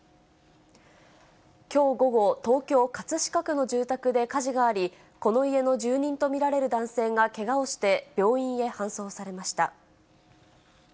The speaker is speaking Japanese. きょう午後、東京・葛飾区の住宅で火事があり、この家の住人と見られる男性がけがをして、病院へ搬送されました。